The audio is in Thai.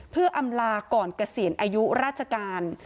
เพื่ออำลาก่อนเกษียณอายุราชการ